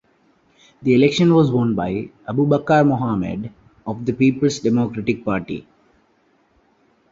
The election was won by Abubakar Mohammed of the Peoples Democratic Party.